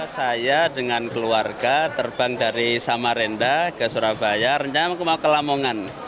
saya dengan keluarga terbang dari samarenda ke surabaya rencana mau ke lamongan